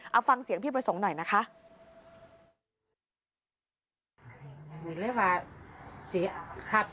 เอาฟังเสียงพี่ประสงค์หน่อยนะคะ